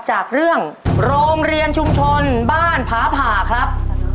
จากเรื่องโรงเรียนชุมชนบ้านผาผ่าครับ